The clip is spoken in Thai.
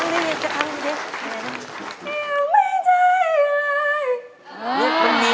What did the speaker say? เดี๋ยวอีกสักครั้งดี